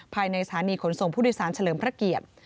ภายในสถานีขนส่งผู้โดยสารเฉลิมพระเกียรติ